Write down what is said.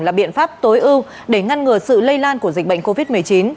là biện pháp tối ưu để ngăn ngừa sự lây lan của dịch bệnh covid một mươi chín